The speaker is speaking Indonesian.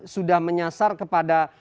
sudah menyasar kepada